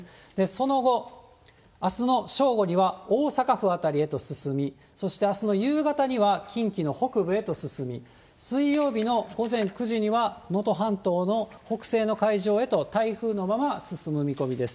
その後、あすの正午には大阪府辺りへと進み、そしてあすの夕方には、近畿の北部へと進み、水曜日の午前９時には能登半島の北西の海上へと台風のまま進む見込みです。